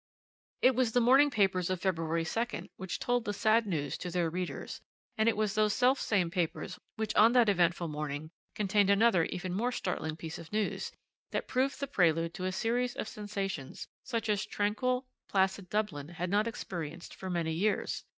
"It was the morning papers of February 2nd which told the sad news to their readers, and it was those selfsame papers which on that eventful morning contained another even more startling piece of news, that proved the prelude to a series of sensations such as tranquil, placid Dublin had not experienced for many years.